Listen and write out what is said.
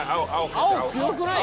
青強くない？